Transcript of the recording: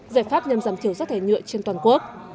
giải pháp nhằm giảm thiểu rác thải nhựa trên toàn quốc